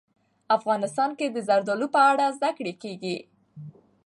افغانستان کې د زردالو په اړه زده کړه کېږي.